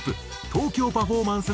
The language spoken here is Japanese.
東京パフォーマンス